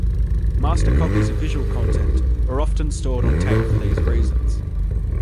Master copies of visual content are often stored on tape for these reasons.